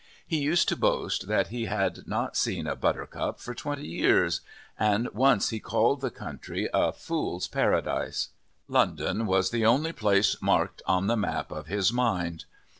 He used to boast that he had not seen a buttercup for twenty years, and once he called the country "a Fool's Paradise." London was the only place marked on the map of his mind.